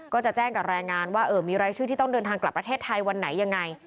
ก็จะแจ้งกับแรงงานว่ามีรายชื่อที่ต้องเดินทางกลับประเทศไทยวันไหนยังไง